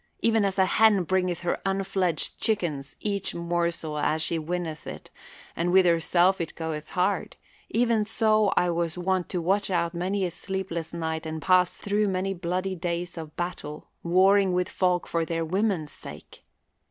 Even as a hen bringeth her unfledged chickens each morsel as she winneth it, and with herself it goeth hard, even so I was wont to watch out many a sleepless night and pass through many bloody days of battle, warring with folk for their women's sake.